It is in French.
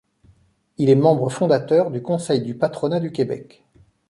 Il est membre fondateur du Conseil du patronat du Québec.